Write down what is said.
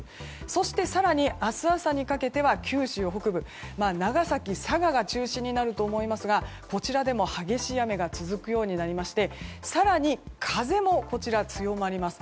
そして、更に明日朝にかけては九州北部長崎、佐賀が中心になると思いますがこちらでも激しい雨が続くようになりまして更に風も強まります。